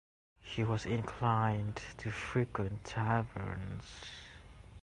He was inclined to frequent taverns.